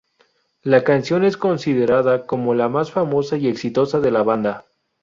La canción es considerada como la más famosa y exitosa de la banda.